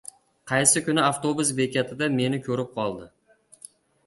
Qaysi kuni avtobus bekatida meni ko‘rib qoldi.